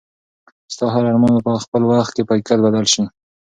ستا هر ارمان به په خپل وخت په حقیقت بدل شي.